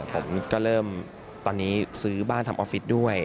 ผมก็เริ่มตอนนี้ซื้อบ้านทำออฟฟิศด้วย